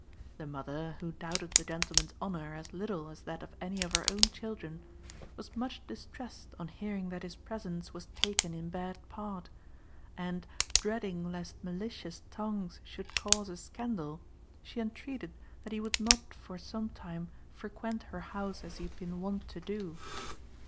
The mother, who doubted the gentleman's honour as little as that of any of her own children, was much distressed on hearing that his presence was taken in bad part, and, dreading lest malicious tongues should cause a scandal, she entreated that he would not for some time frequent her house as he had been wont to do.